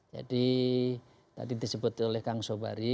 jadi tadi disebut oleh kang sobari